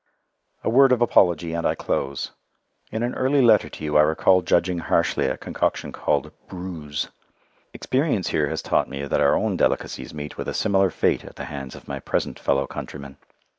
A word of apology and I close. In an early letter to you I recall judging harshly a concoction called "brewis." Experience here has taught me that our own delicacies meet with a similar fate at the hands of my present fellow countrymen.